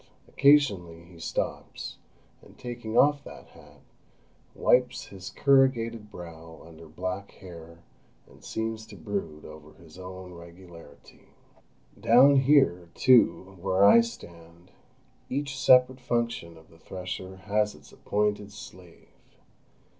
Occasionally he stops, and taking off that hat, wipes his corrugated brow under black hair, and seems to brood over his own regularity. Down here, too, where I stand, each separate function of the thresher has its appointed slave.